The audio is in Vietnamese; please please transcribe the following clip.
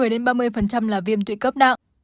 trong đó một mươi ba mươi là viêm tụy cấp nặng